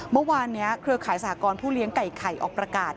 เมื่อวานนี้เครือข่ายสหกรณ์ผู้เลี้ยงไก่ไข่ออกประกาศ